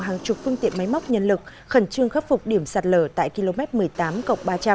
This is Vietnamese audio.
hàng chục phương tiện máy móc nhân lực khẩn trương khắc phục điểm sạt lở tại km một mươi tám cộng ba trăm linh